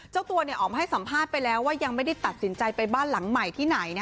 เจ้าตัวออกมาให้สัมภาษณ์ไปแล้วว่ายังไม่ได้ตัดสินใจไปบ้านหลังใหม่ที่ไหน